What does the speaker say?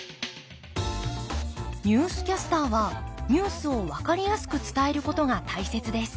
ニュースキャスターはニュースを分かりやすく伝えることが大切です。